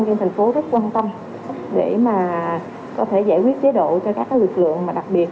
dân thành phố rất quan tâm để mà có thể giải quyết chế độ cho các lực lượng mà đặc biệt